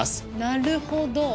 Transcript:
なるほど。